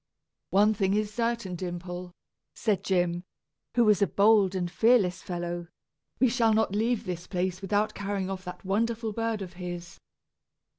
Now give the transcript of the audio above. "One thing is certain, Dimple," said Jim, who was a bold and fearless fellow; "we shall not leave this place without carrying off that wonderful bird of his.